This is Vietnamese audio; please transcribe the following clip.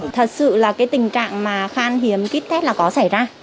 thật sự là cái tình trạng mà khan hiểm kít test là có xảy ra